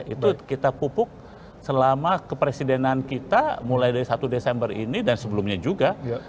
itu kita pupuk selama kepresidenan kita mulai dari satu desember ini dan sebelumnya juga